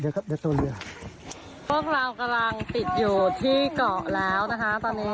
เดี๋ยวครับเดี๋ยวพวกเรากำลังติดอยู่ที่เกาะแล้วนะคะตอนนี้